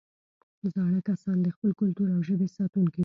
زاړه کسان د خپل کلتور او ژبې ساتونکي دي